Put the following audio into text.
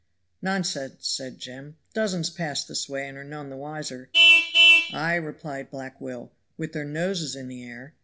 "Nonsense," said Jem, "dozens pass this way and are none the wiser." "Ay," replied Black Will, "with their noses in the air.